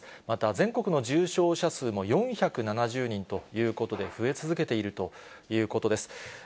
また、全国の重症者数も４７０人ということで、増え続けているということです。